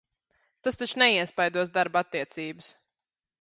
Tas taču neiespaidos darba attiecības?